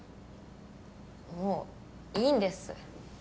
もういいんです。